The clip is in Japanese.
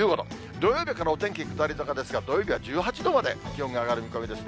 土曜日からお天気下り坂ですが、土曜日は１８度まで気温が上がる見込みですね。